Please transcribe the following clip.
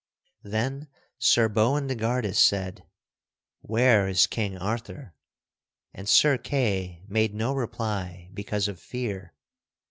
Then Sir Boindegardus said, "Where is King Arthur?" And Sir Kay made no reply because of fear.